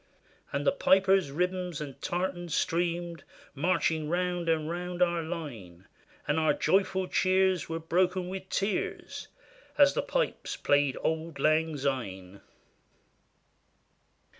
And the pipers' ribbons and tartan streamed, Marching round and round our Hne; And our joyful cheers were broken with tears, As the pipes played " Auld Lang Syne."